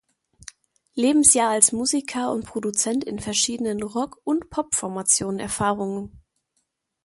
Lebensjahr als Musiker und Produzent in verschiedenen Rock- und Pop-Formationen Erfahrung.